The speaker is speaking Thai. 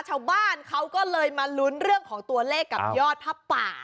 ชาวบ้านเขาก็เลยมาลุ้นเรื่องของตัวเลขกับยอดผ้าป่า